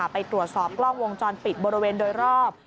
ไปตรวจสอบกล้องวงจรปิดบริเวณโดยรอบ